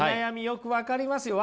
よく分かりますよ。